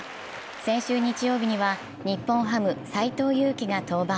先週日曜日には日本ハム・斎藤佑樹が登板。